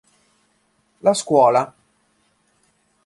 La scuola